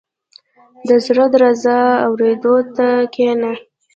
• د زړه د درزا اورېدو ته کښېنه.